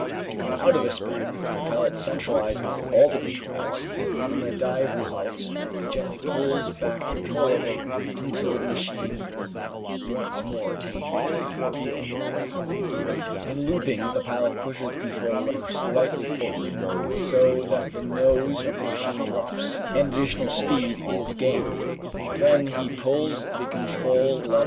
To come out of a spin, the pilot centralises all the controls, and when a dive results he gently pulls back the control lever until the machine once more attains an even keel. In looping the pilot pushes the control lever slightly for ward so that the nose of the machine drops and additional speed A COMPARISON IN SIZES SHOWING THE I t OOO H.P.